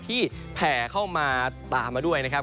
แผ่เข้ามาตามมาด้วยนะครับ